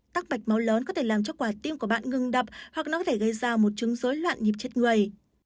tắc mạch máu lớn có thể làm cho quả tim của bạn ngừng đập hoặc nó có thể gây ra một chứng dối loạn nhịp chết người